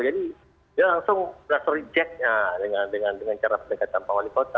jadi dia langsung rasa rejectnya dengan cara pendekatan pak wali kota